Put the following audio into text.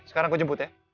sekarang aku jemput ya